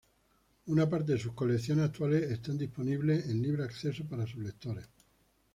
Una parte de sus colecciones actuales está disponible en libre acceso para sus lectores.